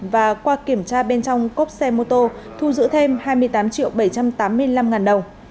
và qua kiểm tra bên trong cốp xe mô tô thu giữ thêm hai mươi tám triệu bảy trăm tám mươi năm ngàn đồng